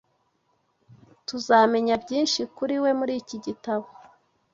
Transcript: Tuzamenya byinshi kuri we muri iki gitabo